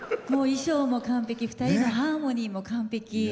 衣装も完璧２人のハーモニーも完璧。